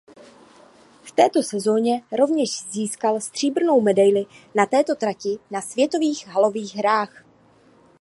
V této sezóně rovněž získal stříbrnou medaili na této trati na světových halových hrách.